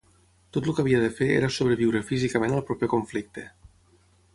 Tot el que havia de fer era sobreviure físicament al proper conflicte.